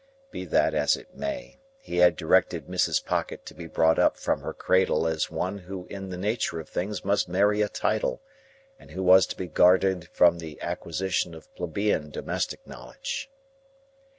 Be that as it may, he had directed Mrs. Pocket to be brought up from her cradle as one who in the nature of things must marry a title, and who was to be guarded from the acquisition of plebeian domestic knowledge.